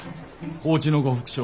高知の呉服商